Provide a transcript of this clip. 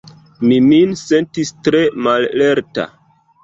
Mi min sentis tre mallerta.